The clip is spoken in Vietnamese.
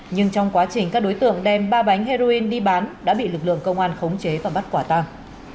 nhưng trong quá trình các đối tượng đem ba bánh heroin đi bán đã bị lực lượng công an khống chế và bắt quả tàng